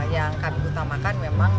yang kami utamakan memang